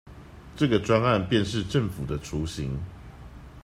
這個專案便是政府的雛形